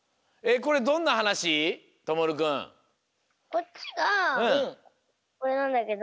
こっちがこれなんだけど。